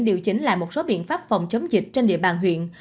điều chỉnh lại một số biện pháp phòng chống dịch trên địa bàn huyện